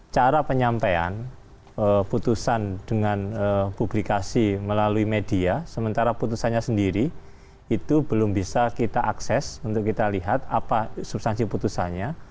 cara penyampaian putusan dengan publikasi melalui media sementara putusannya sendiri itu belum bisa kita akses untuk kita lihat apa substansi putusannya